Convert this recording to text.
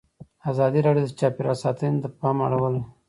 ازادي راډیو د چاپیریال ساتنه ته پام اړولی.